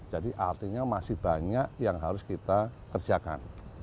jadi artinya masih banyak yang harus kita kerjakan